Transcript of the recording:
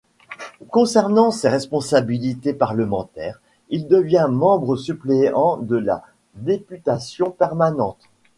Conservant ses responsabilités parlementaires, il devient membre suppléant de la députation permanente.